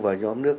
và nhóm nước